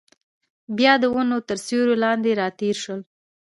بیا د ونو تر سیوري لاندې راتېر شول.